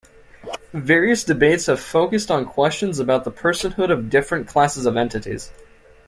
Various debates have focused on questions about the personhood of different classes of entities.